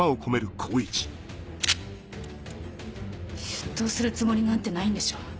出頭するつもりなんてないんでしょ？